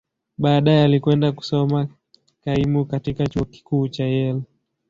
Baadaye, alikwenda kusoma kaimu katika Chuo Kikuu cha Yale.